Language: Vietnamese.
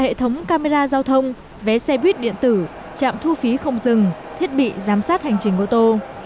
hệ thống camera giao thông vé xe buýt điện tử trạm thu phí không dừng thiết bị giám sát hành trình ô tô